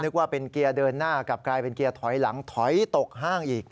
ว่าเป็นเกียร์เดินหน้ากลับกลายเป็นเกียร์ถอยหลังถอยตกห้างอีก